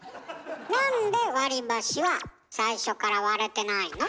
なんで割り箸は最初から割れてないの？